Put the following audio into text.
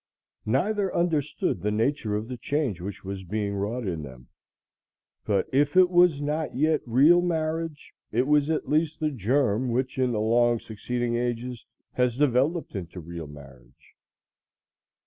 Neither understood the nature of the change which was being wrought in them, but if it was not yet real marriage, it was at least the germ which in the long succeeding ages has developed into real marriage.